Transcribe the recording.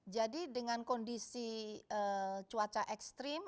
jadi dengan kondisi cuaca ekstrim